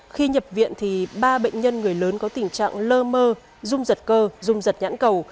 khi nhập viện thì ba bệnh nhân người lớn có tình trạng lơ mơ rung giật cơ dung giật nhãn cầu